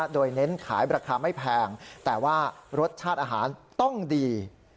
โดยเน้นขายราคาไม่แพงแต่ว่ารสชาติอาหารต้องดี